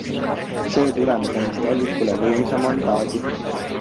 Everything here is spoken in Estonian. See tulemus andis Talvikule võimsa mandaadi.